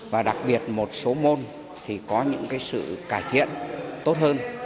và đặc biệt một số môn thì có những sự cải thiện tốt hơn